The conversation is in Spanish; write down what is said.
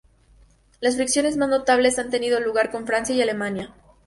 Las fricciones más notables han tenido lugar con Francia y Alemania.